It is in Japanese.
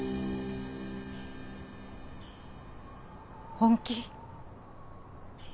本気？